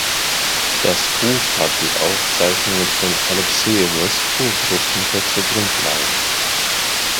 Das Buch hat die Aufzeichnungen von Alekseyevas Urgroßmutter zur Grundlage.